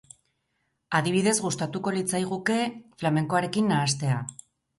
Adibidez, gustatuko litzaiguke flamenkoarekin nahastea.